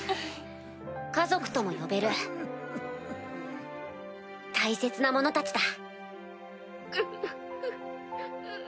家族とも呼べる大切な者たちだ。